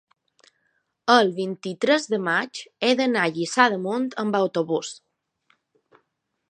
el vint-i-tres de maig he d'anar a Lliçà d'Amunt amb autobús.